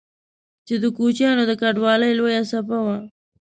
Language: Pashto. چې د کوچيانو د کډوالۍ لويه څپه وه